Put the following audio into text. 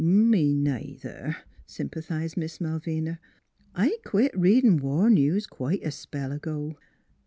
" Me neither," sympathized Miss Malvina. " I quit readin' war news quite a spell ago.